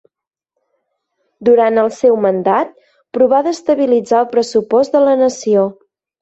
Durant el seu mandat provà d'estabilitzar el pressupost de la nació.